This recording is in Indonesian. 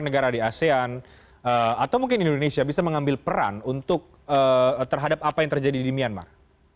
negara di asean atau mungkin indonesia bisa mengambil peran untuk terhadap apa yang terjadi di myanmar